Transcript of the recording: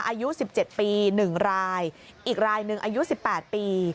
อายุ๑๗ปี๑รายอีกรายหนึ่งอายุ๑๘ปี